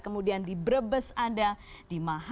kemudian di brebes ada